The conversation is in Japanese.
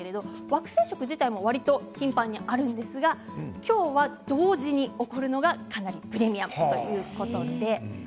惑星食自体も頻繁にあるんですが今日は同時に起こるのがプレミアムということなんです。